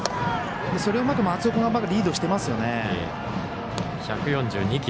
それを、また松尾君がリードしていますよね。